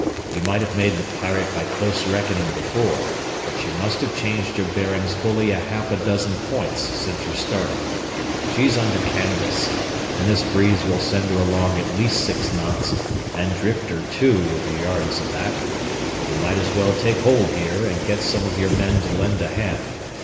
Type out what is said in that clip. You might have made the Pirate by close reckoning before, but she must have changed her bearings fully a half a dozen points since you started. She's under canvas, and this breeze will send her along at least six knots and drift her two with her yards aback. You might as well take hold here and get some of your men to lend a hand.